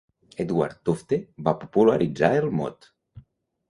Edward Tufte va popularitzar el mot.